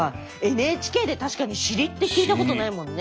ＮＨＫで確かに尻って聞いたことないもんね。